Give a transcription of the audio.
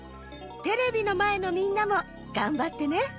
テレビのまえのみんなもがんばってね。